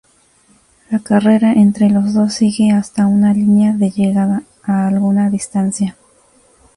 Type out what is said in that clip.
La carrera entre los dos sigue hasta una línea de llegada a alguna distancia.